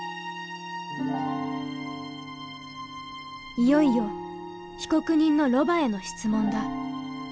いよいよ被告人のロバへの質問だ。